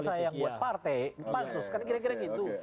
saya yang buat partai pansus kan kira kira gitu